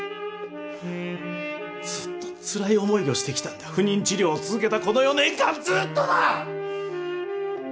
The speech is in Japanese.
ずっとつらい思いをしてきたんだ不妊治療続けた４年間ずっとだ！